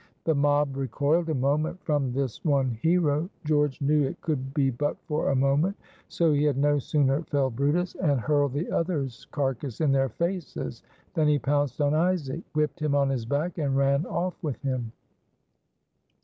The mob recoiled a moment from this one hero. George knew it could be but for a moment, so he had no sooner felled brutus, and hurled the other's carcass in their faces, than he pounced on Isaac, whipped him on his back and ran off with him.